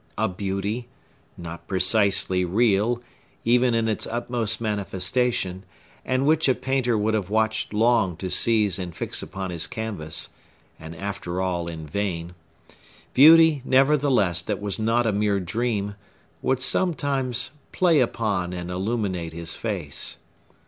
A beauty,—not precisely real, even in its utmost manifestation, and which a painter would have watched long to seize and fix upon his canvas, and, after all, in vain,—beauty, nevertheless, that was not a mere dream, would sometimes play upon and illuminate his face.